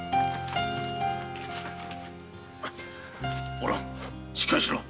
おらんしっかりしろ！